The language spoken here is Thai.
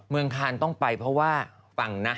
เมืองคานต้องไปเพราะว่าฟังนะ